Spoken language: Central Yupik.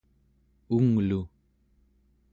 unglu